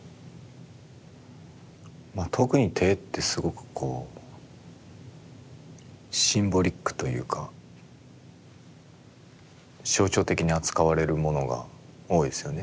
まあ特に手ってすごくこうシンボリックというか象徴的に扱われるものが多いですよね